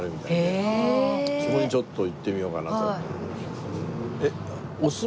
そこにちょっと行ってみようかなと。